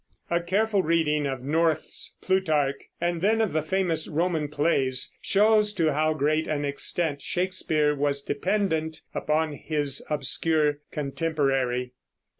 A careful reading of North's Plutarch and then of the famous Roman plays shows to how great an extent Shakespeare was dependent upon his obscure contemporary.